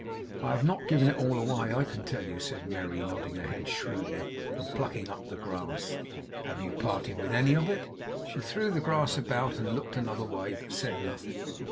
'I have not given it all away, I can tell you,' said Merry, nodding her head shrewdly, and plucking up the grass. 'Have you parted with any of it?' She threw the grass about, and looked another way, but said nothing.